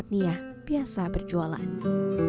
dan dia sudah selesai menjualnya